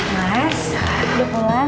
mas udah pulang